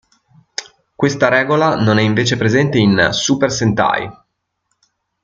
Questa regola non è invece presente in "Super Sentai".